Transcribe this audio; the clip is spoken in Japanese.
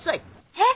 えっ！